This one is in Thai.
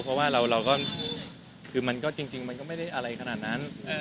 เพราะดูจริงมันก็ไม่ได้อะไรขนาดนั้น